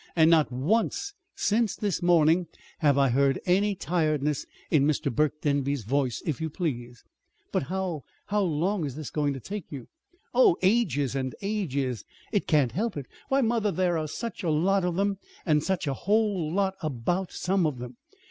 "And not once since this morning have I heard any tiredness in Mr. Burke Denby's voice, if you please." "But how how long is this going to take you?" "Oh, ages and ages! It can't help it. Why, mother, there are such a lot of them, and such a whole lot about some of them.